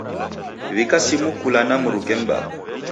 W'ika simu kula na mruke m'baa.